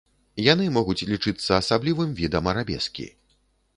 Яны могуць лічыцца асаблівым відам арабескі.